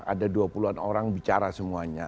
ada dua puluhan orang bicara semuanya